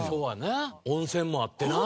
温泉もあってな。